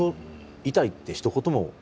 痛いってひと言も。